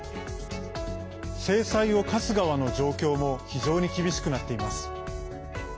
制裁を科す側の状況も非常に厳しくなっています。